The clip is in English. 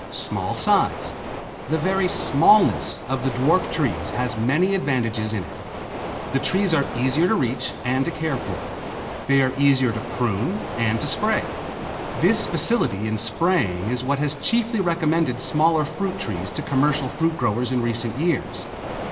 Small size. The very smallness of the dwarf trees has many advantages in it. The trees are easier to reach and to care for. They are easier to prune and to spray. This facility in spraying is what has chiefly recommended smaller fruit trees to commercial fruit growers in recent years.